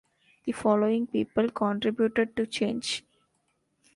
The following people contributed to "Change"